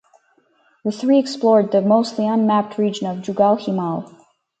The three explored the mostly unmapped region of Jugal Himal.